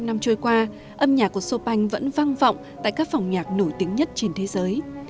đã hơn hai trăm linh năm trôi qua âm nhạc của chopin vẫn vang vọng tại các phòng nhạc nổi tiếng nhất trên thế giới